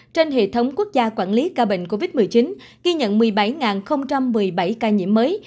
trên hệ thống quốc gia quản lý ca bệnh covid một mươi chín ghi nhận một mươi bảy một mươi bảy ca nhiễm mới